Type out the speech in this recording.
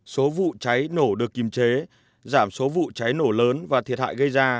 số vụ cháy nổ được kìm chế giảm số vụ cháy nổ lớn và thiệt hại gây ra